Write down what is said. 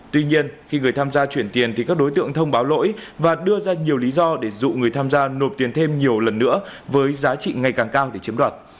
tuy nhiên khi người tham gia chuyển tiền thì các đối tượng thông báo lỗi và đưa ra nhiều lý do để dụ người tham gia nộp tiền thêm nhiều lần nữa với giá trị ngày càng cao để chiếm đoạt